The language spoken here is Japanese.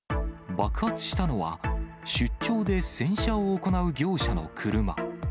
爆発したのは、出張で洗車を行う業者の車。